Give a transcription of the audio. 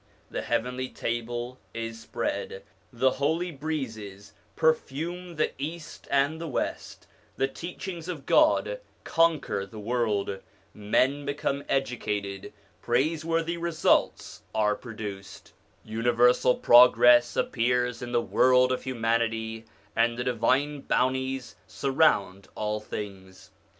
The heavenly table is spread, the holy breezes perfume the East and the West, the teachings of God conquer the world, men become educated, praiseworthy results are produced, universal progress appears in the world of humanity, and the divine bounties surround all things.